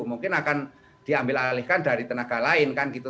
mungkin akan diambil alihkan dari tenaga lain kan gitu